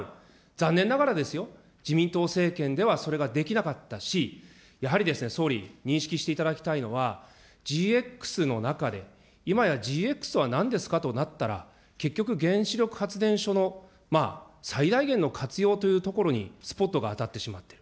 残念ながらですよ、自民党政権ではそれができなかったし、やはり総理、認識していただきたいのは、ＧＸの中で、今やＧＸはなんですかとなったら、結局、原子力発電所のまあ最大限の活用というところにスポットが当たってしまっている。